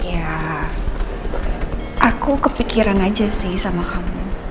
ya aku kepikiran aja sih sama kamu